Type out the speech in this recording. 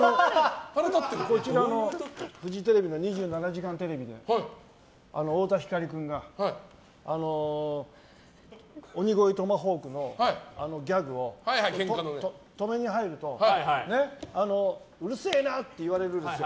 こちらのフジテレビの「２７時間テレビ」で太田光君が鬼越トマホークのギャグを止めるに入るとうるせえな！と言われるんですよ。